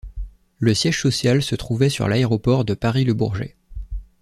Le siège social se trouvait sur l'aéroport de Paris-Le Bourget.